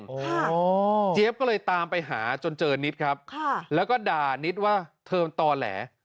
โอ้โหเจี๊ยบก็เลยตามไปหาจนเจอนิดครับค่ะแล้วก็ด่านิดว่าเทิมต่อแหล